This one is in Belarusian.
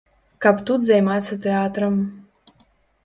Каб тут займацца тэатрам.